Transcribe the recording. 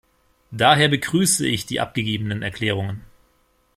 Daher begrüße ich die abgegebenen Erklärungen.